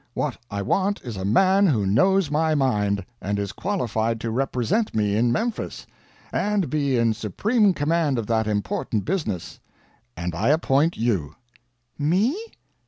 What I want is a man who knows my mind, and is qualified to represent me in Memphis, and be in supreme command of that important business and I appoint you." "Me!"